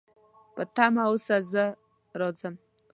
په تمه اوسه، زه راځم